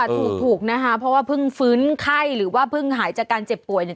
ถูกนะคะเพราะว่าเพิ่งฟื้นไข้หรือว่าเพิ่งหายจากการเจ็บป่วยเนี่ย